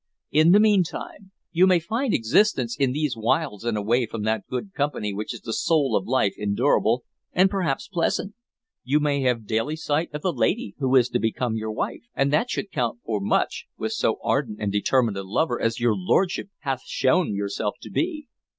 In the meantime, you may find existence in these wilds and away from that good company which is the soul of life endurable, and perhaps pleasant. You may have daily sight of the lady who is to become your wife, and that should count for much with so ardent and determined a lover as your lordship hath shown yourself to be.